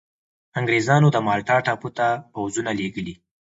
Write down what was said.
انګرېزانو د مالټا ټاپو ته پوځونه لېږلي.